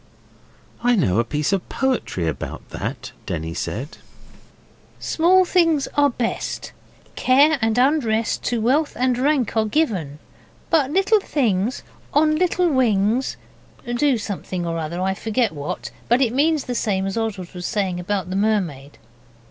'I know a piece of poetry about that,' Denny said. 'Small things are best. Care and unrest To wealth and rank are given, But little things On little wings do something or other, I forget what, but it means the same as Oswald was saying about the mermaid.